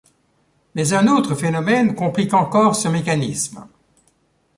Mais un autre phénomène complique encore ce mécanisme.